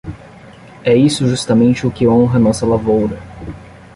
É isso justamente o que honra a nossa lavoura.